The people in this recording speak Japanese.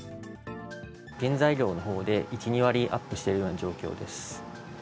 原材料のほうで１、２割アップしているような状況です。